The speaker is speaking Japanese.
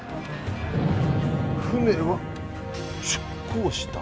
船は出港した。